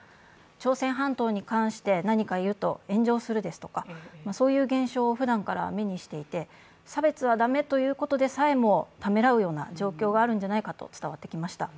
朝鮮半島に関して何か言うと炎上するですとかそういう現象をふだんから目にしていて、差別は駄目ということでさえもためらうような状況があるんじゃないかと伝わってきました。